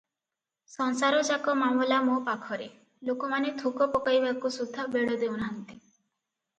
ସଂସାର ଯାକ ମାମଲା ମୋ ପାଖରେ ଲୋକମାନେ ଥୁକ ପକାଇବାକୁ ସୁଦ୍ଧା ବେଳ ଦେଉନାହିଁନ୍ତି ।